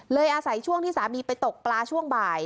อาศัยช่วงที่สามีไปตกปลาช่วงบ่าย